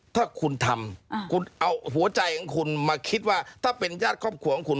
ถ้าคุณทำคุณเอาหัวใจของคุณมาคิดว่าถ้าเป็นญาติครอบครัวของคุณ